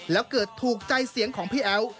แล้วเกิดถูกใจเสียงของพี่แอ๋ว